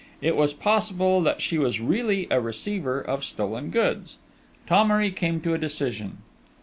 It was possible that she was really a receiver of stolen goods! Thomery came to a decision.